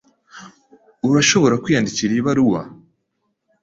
Urashobora kunyandikira iyi baruwa?